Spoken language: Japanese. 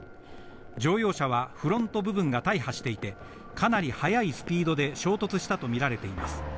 乗用車はフロント部分が大破していて、かなり速いスピードで衝突したとみられています。